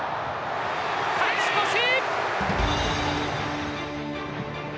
勝ち越し！